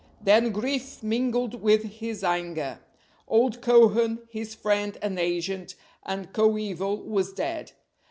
Then grief mingled with his anger. Old Cohen, his friend and agent and coeval, was dead.